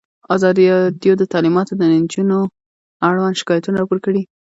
ازادي راډیو د تعلیمات د نجونو لپاره اړوند شکایتونه راپور کړي.